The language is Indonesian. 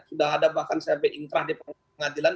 sudah ada bahkan saya beringkrah di pengadilan